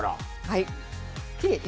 はい。